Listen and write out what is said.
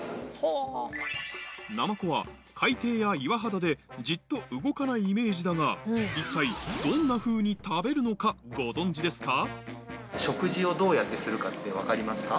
ナマコは海底や岩肌でじっと動かないイメージだが一体どんなふうに食べるのかご存じですか？